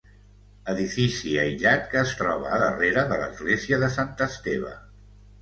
Edifici aïllat, que es troba a darrere de l'església de Sant Esteve.